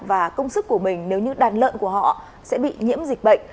và công sức của mình nếu như đàn lợn của họ sẽ bị nhiễm dịch bệnh